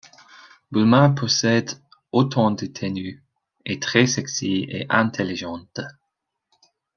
Bulma possède autant de tenues, est très sexy et intelligente.